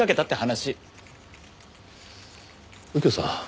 右京さん